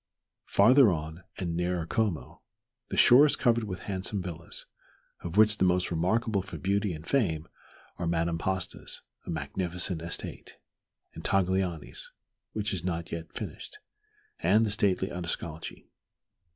... Farther on, and nearer Como, the shore is covered with handsome villas, of which the most remarkable for beauty and fame are Madame Pasta's, a magnificent estate, and Taglioni's, which is not yet finished, and the stately Odescalchi.